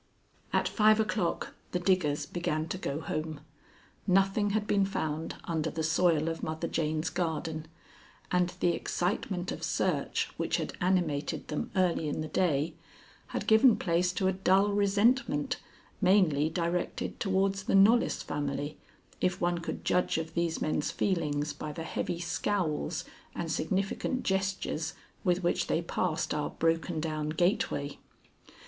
At five o'clock the diggers began to go home. Nothing had been found under the soil of Mother Jane's garden, and the excitement of search which had animated them early in the day had given place to a dull resentment mainly directed towards the Knollys family, if one could judge of these men's feelings by the heavy scowls and significant gestures with which they passed our broken down gateway.